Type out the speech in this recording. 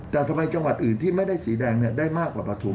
แต่ทำไมจังหวัดอื่นที่ไม่ได้สีแดงได้มากกว่าปฐุม